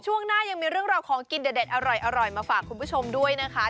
ช่วงหน้ายังมีเรื่องราวของกินเด็ดอร่อยมาฝากคุณผู้ชมด้วยนะคะ